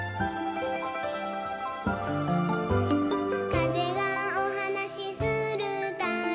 「かぜがおはなしするたび」